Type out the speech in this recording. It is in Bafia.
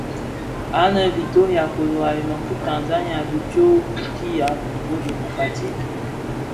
Anë a Victoria kodo a iloň ki Tanzania dhi bi tsog ki a Kongo Democratique.